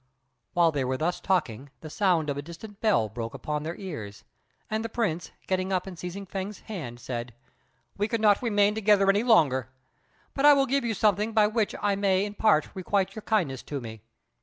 While they were thus talking, the sound of a distant bell broke upon their ears; and the Prince, getting up and seizing Fêng's hand, said, "We cannot remain together any longer; but I will give you something by which I may in part requite your kindness to me.